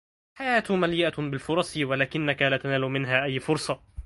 الحياة مليئة بالفرص ولكنك لا تنال منها اي فرصة.